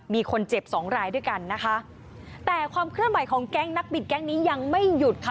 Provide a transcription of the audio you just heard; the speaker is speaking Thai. มีคนเจ็บสองรายด้วยกันนะคะแต่ความเคลื่อนไหวของแก๊งนักบิดแก๊งนี้ยังไม่หยุดค่ะ